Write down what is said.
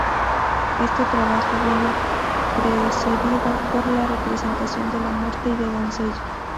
Este trabajo vino precedido por la representación de "La muerte y la doncella".